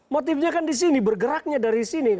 motifnya kan di sini bergeraknya dari sini